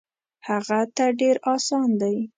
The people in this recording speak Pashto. هغه ته ډېر اسان دی.